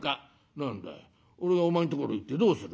「何だい俺がお前んところ行ってどうする」。